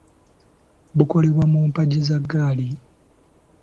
Bukolebwa mu mpagi za ggaali.